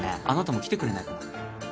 あなたも来てくれないかな？